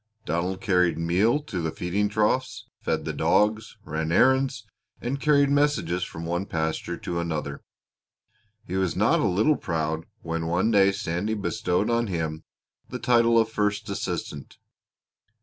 Donald carried meal to the feeding troughs, fed the dogs, ran errands, and carried messages from one pasture to another. He was not a little proud when one day Sandy bestowed on him the title of first assistant.